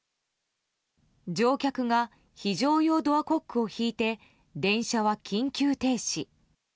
乗客が非常用ドアコックを引いて電車は緊急停止。